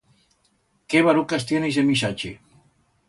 Qué barucas tiene ixe misache!